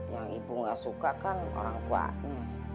yang ibu gak suka kan orang tuanya